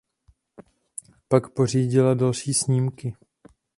Pak pořídila další snímky.